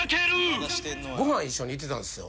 ご飯一緒に行ってたんですよ